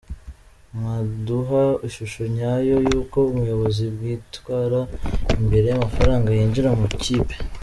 Mwaduha ishusho nyayo y’uko ubuyobozi bwitwara imbere y’amafaranga yinjira mu ikipe?.